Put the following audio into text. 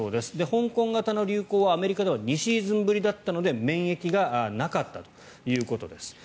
香港型の流行はアメリカでは２シーズンぶりだったので免疫がなかったということです。